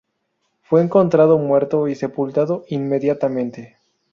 Fue encontrado muerto y sepultado inmediatamente.